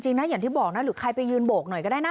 นะอย่างที่บอกนะหรือใครไปยืนโบกหน่อยก็ได้นะ